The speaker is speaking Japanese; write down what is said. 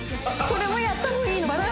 これもやった方がいいのかな？